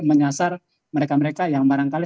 menyasar mereka mereka yang barangkali